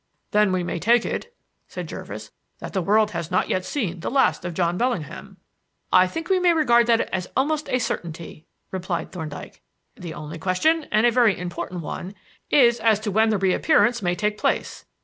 "Then we may take it," said Jervis, "that the world has not yet seen the last of John Bellingham." "I think we may regard that as almost a certainty," replied Thorndyke. "The only question and a very important one is as to when the reappearance may take place.